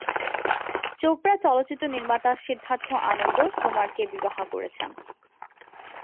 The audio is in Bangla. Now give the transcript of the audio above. চোপড়া চলচ্চিত্র নির্মাতা সিদ্ধার্থ আনন্দ কুমারকে বিবাহ করেছেন।